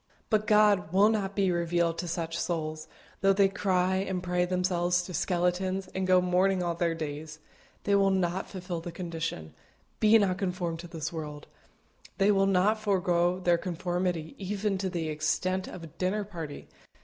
But God will not be revealed to such souls, though they cry and pray themselves to skeletons, and go mourning all their days. They will not fulfil the condition "Be not conformed to this world;" they will not forego their conformity even to the extent of a dinner party.